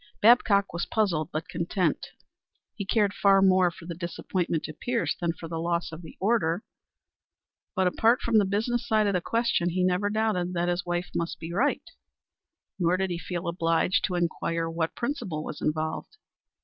Babcock was puzzled but content. He cared far more for the disappointment to Pierce than for the loss of the order. But apart from the business side of the question, he never doubted that his wife must be right, nor did he feel obliged to inquire what principle was involved.